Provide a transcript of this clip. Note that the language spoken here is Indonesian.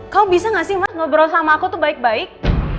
kau bisa gak sih mas ngobrol sama aku tuh baik baik